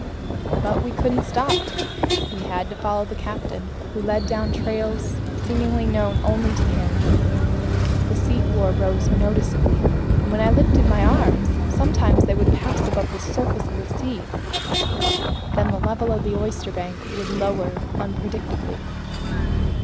But we couldn't stop. We had to follow the captain, who headed down trails seemingly known only to himself. The seafloor rose noticeably, and when I lifted my arms, sometimes they would pass above the surface of the sea. Then the level of the oysterbank would lower unpredictably.